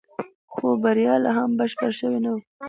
خو بريا لا هم بشپړه شوې نه وه.